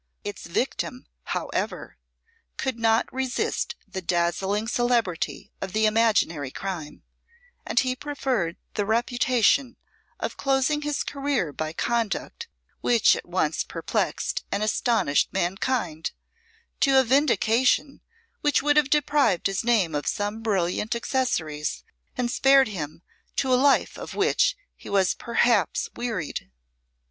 Its victim, however, could not resist the dazzling celebrity of the imaginary crime, and he preferred the reputation of closing his career by conduct which at once perplexed and astonished mankind, to a vindication which would have deprived his name of some brilliant accessories, and spared him to a life of which he was perhaps wearied.